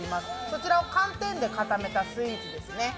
そちらを寒天で固めたスイーツですね。